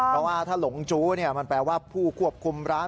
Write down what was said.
ถ้าหลงจูมันแปลว่าผู้ควบคุมร้าน